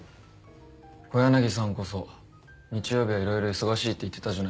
小柳さんこそ日曜日は色々忙しいって言ってたじゃないですか。